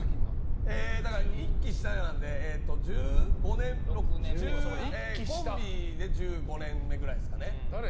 １期下なのでコンビで１５年目くらいですかね。